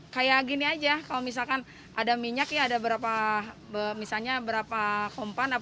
kayak gini aja kalau misalkan ada minyak ya ada berapa misalnya berapa kompan